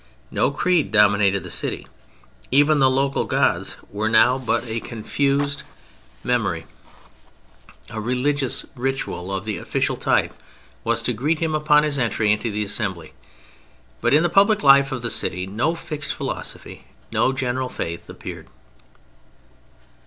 No creed dominated the city; even the local gods were now but a confused memory; a religious ritual of the official type was to greet him upon his entry to the Assembly, but in the public life of the city no fixed philosophy, no general faith, appeared.